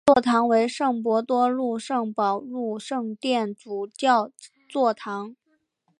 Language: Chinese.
座堂为圣伯多禄圣保禄圣殿主教座堂。